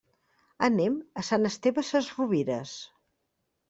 Anem a Sant Esteve Sesrovires.